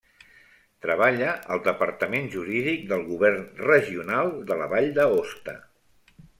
Treballa al departament jurídic del govern regional de la Vall d'Aosta.